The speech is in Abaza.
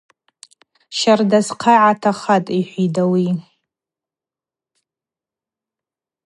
Щарда схъа йгӏатахатӏ, – йхӏвитӏ ауи.